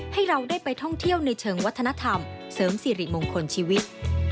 ให้เราได้ไปท่องเที่ยวในเชิงวัฒนธรรมเสริมสิริมงคลชีวิต